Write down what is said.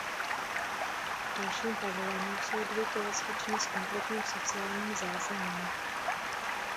V dalším pavilonu jsou dvě tělocvičny s kompletním sociálním zázemím.